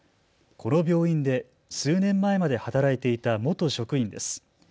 この病院で数年前まで働いていた元職員です。